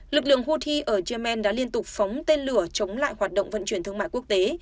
lực lượng houthi ở yemen đã liên tục phóng tên lửa chống lại hoạt động vận chuyển thương mại quốc tế